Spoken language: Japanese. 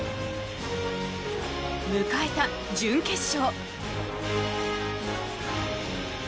迎えた準決勝。